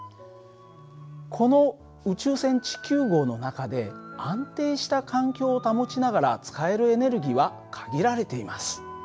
この宇宙船地球号の中で安定した環境を保ちながら使えるエネルギーは限られています。